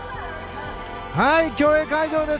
競泳会場です。